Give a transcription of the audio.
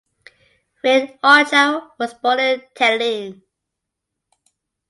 Rein Oja was born in Tallinn.